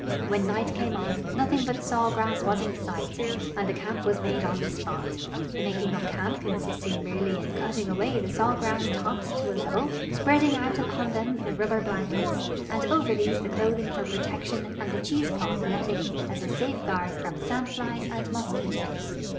"When night came on, nothing but saw grass was in sight, and camp was made on tbe spot, the making of canij) consisting merely in cutting away the saw grass tops to a level, S{)reading out upon them the rubber blankets, and over these the clothing for protection and the cheese cloth netting as a safeguard from sandflies and mos(|uitos.